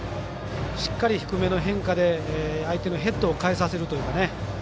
しっかり低めの変化で相手のヘッドを返させるというかね。